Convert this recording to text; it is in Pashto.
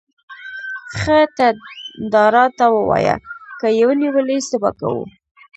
ښه ته داراته ووایه، که یې ونیولې، څه به کوو؟